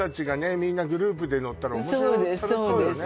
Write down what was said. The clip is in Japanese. みんなグループで乗ったら楽しそうよね